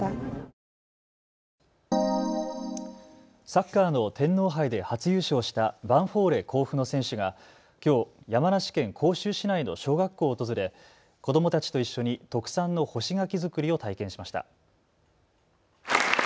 サッカーの天皇杯で初優勝したヴァンフォーレ甲府の選手がきょう山梨県甲州市内の小学校を訪れ子どもたちと一緒に特産の干し柿作りを体験しました。